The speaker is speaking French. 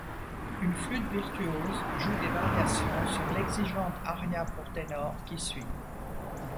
Une flûte virtuose joue des variations sur l'exigeante aria pour ténor qui suit.